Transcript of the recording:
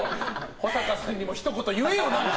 保坂さんにもひと言言えよ何か！